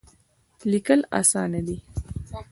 لیکل اسانه دی.